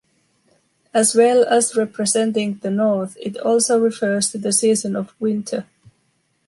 As well as representing the north, it also refers to the season of winter.